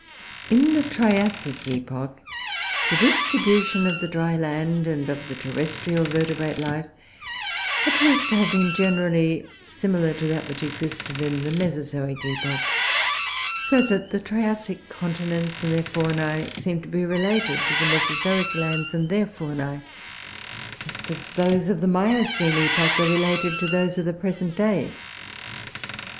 In the Triassic epoch, the distribution of the dry land and of terrestrial vertebrate life appears to have been, generally, similar to that which existed in the Mesozoic epoch; so that the Triassic continents and their faunae seem to be related to the Mesozoic lands and their faunae, just as those of the Miocene epoch are related to those of the present day.